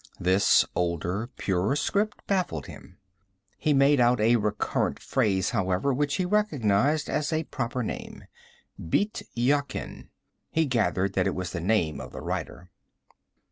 This older, purer script baffled him. He made out a recurrent phrase, however, which he recognized as a proper name: Bît Yakin. He gathered that it was the name of the writer.